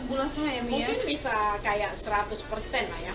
mungkin bisa kayak seratus persen lah ya